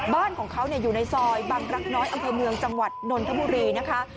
บ้านของเขาอยู่ในซอยบังรักน้อยอำเภอเมืองจังหวัดนนทบุรีนะคะ